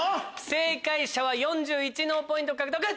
正解者は４１脳ポイント獲得。